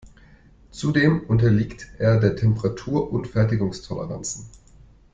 Zudem unterliegt er der Temperatur und Fertigungstoleranzen.